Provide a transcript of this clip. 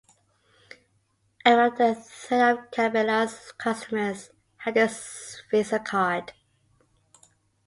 Around a third of Cabela's customers have this Visa card.